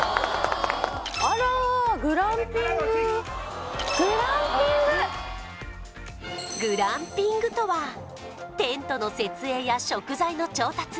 あらグランピンググランピンググランピングとはテントの設営や食材の調達